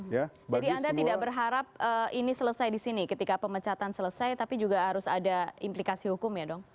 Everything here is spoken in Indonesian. jadi anda tidak berharap ini selesai disini ketika pemecatan selesai tapi juga harus ada implikasi hukum ya dong